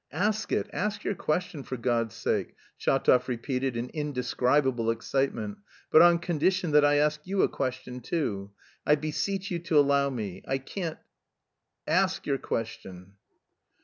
"Ask it, ask your question for God's sake," Shatov repeated in indescribable excitement, "but on condition that I ask you a question too. I beseech you to allow me... I can't... ask your question!"